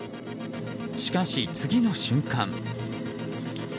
しかし、次の瞬間。